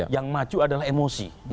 yang maju adalah emosi